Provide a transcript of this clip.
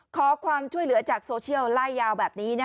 ขอความช่วยเหลือจากโซเชียลไล่ยาวแบบนี้